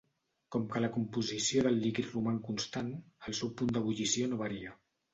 Com que la composició del líquid roman constant, el seu punt d'ebullició no varia.